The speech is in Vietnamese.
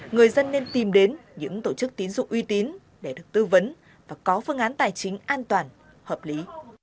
người dân nên tìm đến những tổ chức tín dụng uy tín để được tư vấn và có phương án tài chính an toàn hợp lý